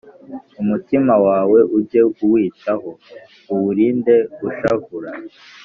Umutima wawe ujye uwitaho, uwurinde gushavura,